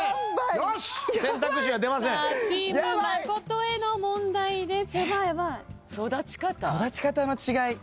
チーム真琴への問題です。